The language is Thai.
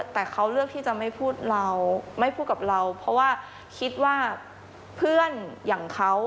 แต่เขาเลือกที่จะไม่พูดเราไม่พูดกับเราเพราะว่าคิดว่าเพื่อนอย่างเขา